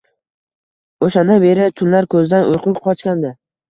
O‘shandan beri tunlar ko‘zidan uyqu qochgandi.